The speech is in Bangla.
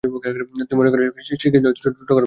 তুই মনে করিস শ্রীকৃষ্ণ ছোটখাটো ব্যাপার!